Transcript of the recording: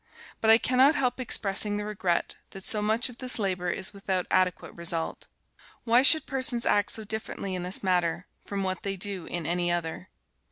But I cannot help expressing the regret that so much of this labor is without adequate result. Why should persons act so differently in this matter from what they do in any other?